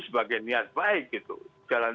sebagai niat baik gitu jalan